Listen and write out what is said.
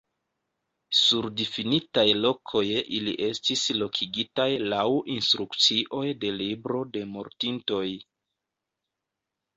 Sur difinitaj lokoj ili estis lokigitaj laŭ instrukcioj de libro de mortintoj.